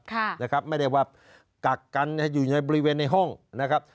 ค่ะนะครับไม่ได้ว่ากักกันอยู่ในบริเวณในห้องนะครับ